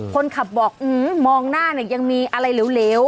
คนขับบอกมองหน้าเนี่ยยังมีอะไรเหลว